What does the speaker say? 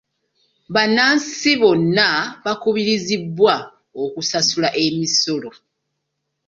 Bannansi bonna bakubirizibwa okusasula emisolo.